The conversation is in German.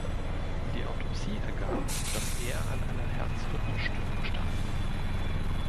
Die Autopsie ergab, dass er an einer Herzrhythmusstörung starb.